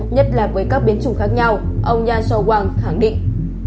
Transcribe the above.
nhất là với các biến chủng khác nhau ông yaso wang khẳng định